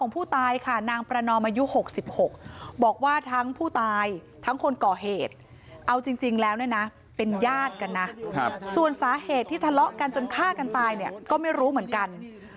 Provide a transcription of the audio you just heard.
พยายามจนฆ่ากันตายก็ไม่รู้เหมือนกัน